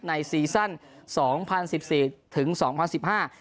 ซีซั่นสองพันสิบสี่ถึงสองพันสิบห้า